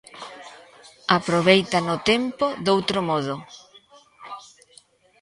Aproveitan o tempo doutro modo.